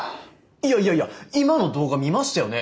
いやいやいや今の動画見ましたよね？